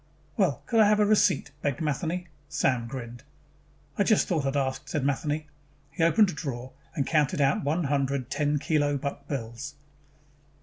"Well could I have a receipt?" begged Matheny. Sam grinned. "I just thought I'd ask," said Matheny. He opened a drawer and counted out one hundred ten kilo buck bills.